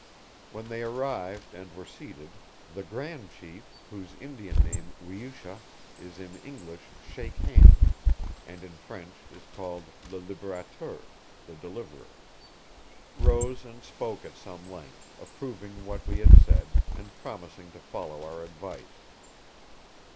When they arrived and were seated, the grand chief, whose Indian name Weucha is in English Shake Hand, and in French is called Le Liberateur (The Deliverer), rose and spoke at some length, approving what we had said, and promising to follow our advice.